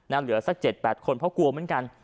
เหลือสัก๗๘คนเพราะกลัวเหมือนกัน